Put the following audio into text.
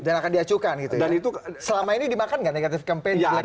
dan akan diacukan selama ini dimakan nggak negatif campaign